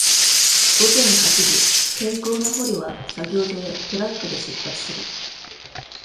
午前八時、健康な捕虜は、作業所へ、トラックで出発する。